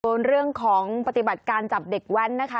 เรื่องของปฏิบัติการจับเด็กแว้นนะคะ